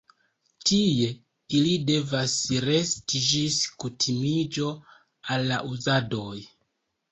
Tie ili devas resti ĝis kutimiĝo al la uzadoj.